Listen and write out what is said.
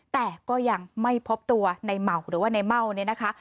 แต่ก็ยังไม่พบตัวในเหมาหรือว่าในเม่าเนี่ยนะคะ